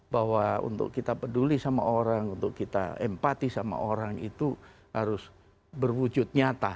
bahwa untuk kita peduli sama orang untuk kita empati sama orang itu harus berwujud nyata